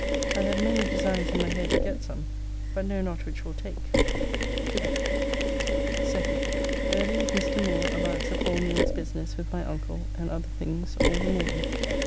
I had many designs in my head to get some, but know not which will take. To bed. 2d. Early with Mr. Moore about Sir Paul Neale's' business with my uncle and other things all the morning.